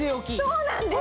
そうなんです。